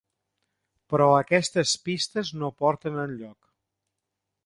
Però aquestes pistes no porten enlloc.